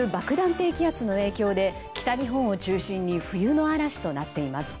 低気圧の影響で北日本を中心に冬の嵐となっています。